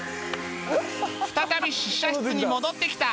再び試写室に戻ってきた